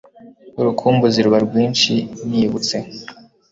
urukumbuzi ruba rwinshi, nibutse